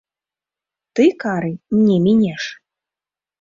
Ты кары не мінеш!